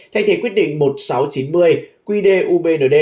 thay thế quyết định một nghìn sáu trăm chín mươi qd ubnd